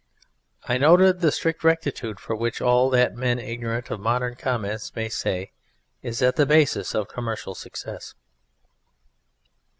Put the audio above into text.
I noted the strict rectitude which, for all that men ignorant of modern commerce may say, is at the basis of commercial success.